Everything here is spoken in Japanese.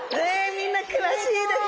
みんな詳しいですね！